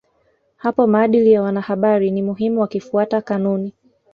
Hapo maadili ya wanahabari ni muhimu wakifuata kanuni